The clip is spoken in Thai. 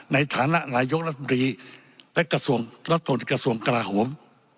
ในฐานะนายกรัฐมรีและกระทรวงกระทรวงกราโหม